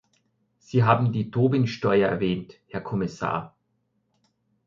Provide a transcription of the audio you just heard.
Sie haben die Tobin-Steuer erwähnt, Herr Kommissar.